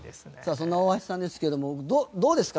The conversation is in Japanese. そんな大橋さんですけどもどうですか？